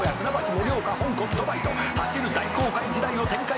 盛岡香港ドバイと走る大航海時代を展開してきた」